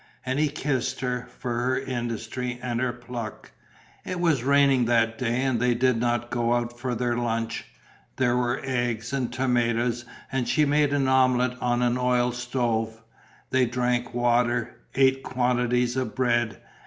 And he kissed her, for her industry and her pluck. It was raining that day and they did not go out for their lunch; there were eggs and tomatoes and she made an omelette on an oil stove. They drank water, ate quantities of bread.